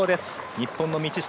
日本の道下。